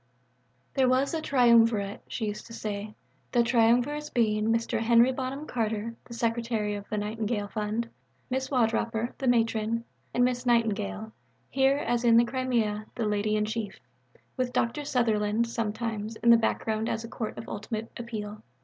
There was a Triumvirate, she used to say; the Triumvirs being Mr. Henry Bonham Carter (the Secretary of the Nightingale Fund), Mrs. Wardroper (the Matron) and Miss Nightingale (here, as in the Crimea, the Lady in Chief) with Dr. Sutherland, sometimes, in the background as a court of ultimate appeal.